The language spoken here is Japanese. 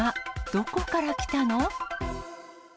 どこから来たの？